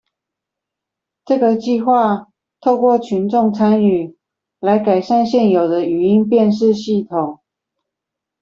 這個計畫透過群眾參與，來改善現有的語音辨識系統